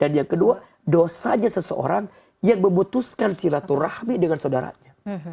yang kedua dosanya seseorang yang memutuskan silaturahmi dengan saudaranya